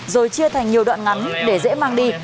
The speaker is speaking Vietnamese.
rồi chia thành nhiều đoạn ngắn để dễ mang đi